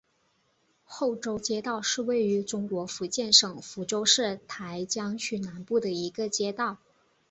后洲街道是位于中国福建省福州市台江区南部的一个街道。